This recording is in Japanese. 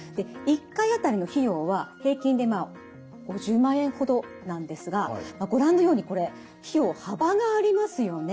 １回あたりの費用は平均で５０万円ほどなんですがご覧のようにこれ費用幅がありますよね。